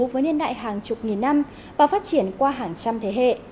với niên đại hàng chục nghìn năm và phát triển qua hàng trăm thế hệ